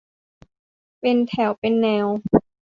เป็นแถวเป็นแนว